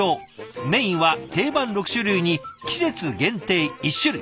メインは定番６種類に季節限定１種類。